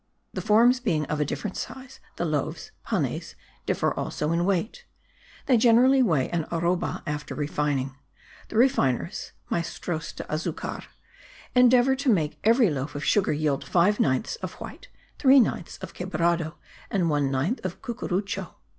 The forms being of a different size, the loaves (panes) differ also in weight. They generally weigh an arroba after refining. The refiners (maestros de azucar) endeavour to make every loaf of sugar yield five ninths of white, three ninths of quebrado, and one ninth of cucurucho.